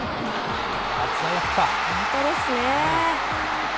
本当ですね。